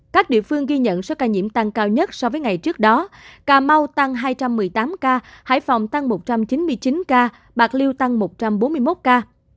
các địa phương ghi nhận số ca nhiễm tăng cao nhất so với ngày trước đó cà mau tăng hai trăm một mươi tám ca hải phòng tăng một trăm chín mươi chín ca bạc liêu tăng một trăm bốn mươi một ca